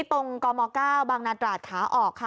ตรงกม๙บางนาตราดขาออกค่ะ